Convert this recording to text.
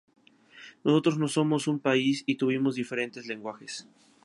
Nosotros no somos un país y tenemos diferentes lenguajes.